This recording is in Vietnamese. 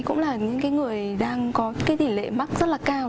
cũng là những người đang có tỷ lệ mắc rất là cao